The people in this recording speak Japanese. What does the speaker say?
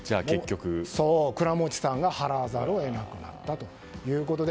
クラモチさんが払わざるを得なくなったということで。